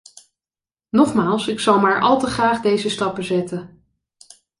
Nogmaals, ik zal maar al te graag deze stappen zetten.